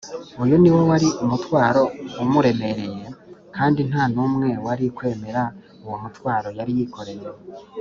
. Uyu niwo wari umutwaro umuremereye, kandi nta n’umwe wari kwemera uwo mutwaro yari yikoreye